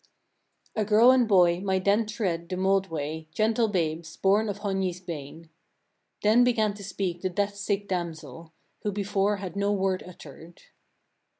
9. A girl and boy might then tread the mould way, gentle babes, born of Hogni's bane. Then began to speak the death sick damsel, who before had no word uttered.